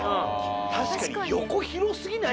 確かに横広すぎない？